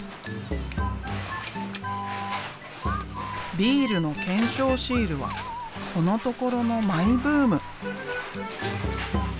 ビールの懸賞シールはこのところのマイブーム。